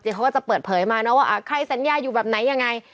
เขาก็จะเปิดเผยมานะว่าใครสัญญาอยู่แบบไหนยังไง